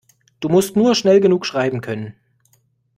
Du musst nur schnell genug schreiben können.